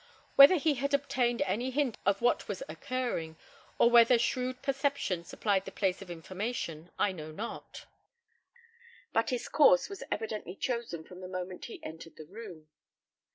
Whether he had obtained any hint of what was occurring, or whether shrewd perception supplied the place of information, I know not; but his course was evidently chosen from the moment he entered the room.